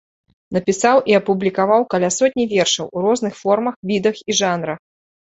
Напісаў і апублікаваў каля сотні вершаў у розных формах, відах і жанрах.